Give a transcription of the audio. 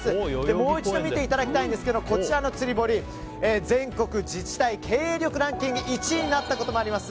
もう一度見ていただきたいですがこちらの釣り堀は全国自治体経営力ランキングで１位になったこともあります